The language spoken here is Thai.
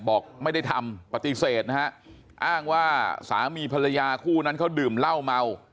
บอกไม่ได้ทำปฏิเสธนะฮะอ้างว่าสามีภรรยาคู่นั้นเขาดื่มเหล้าเมา